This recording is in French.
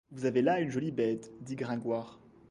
Vous avez là une jolie bête, dit Gringoire.